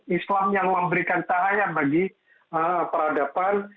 islam yang memberikan cahaya bagi peradaban